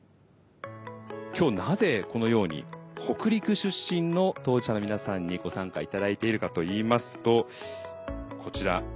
今日なぜこのように北陸出身の当事者の皆さんにご参加頂いているかといいますとこちら。